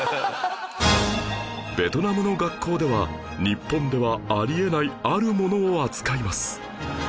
ベトナムの学校では日本ではあり得ないあるものを扱います